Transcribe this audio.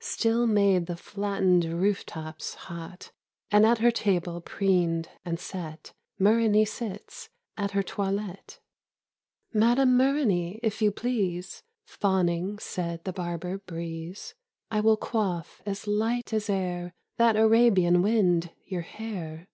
Still made the flattened roof tops hot. And at her table preened and set Myrrhine sits at her toilette. 94 The Toilette of Myrrhine. " Madame Myrrhine, if you please," Fawning said the barber breeze, " I will coiff as light as air That Arabian wind your hair.